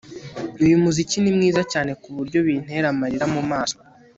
Uyu muziki ni mwiza cyane kuburyo bintera amarira mumaso